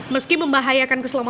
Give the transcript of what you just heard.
meski membahayakan keseluruhan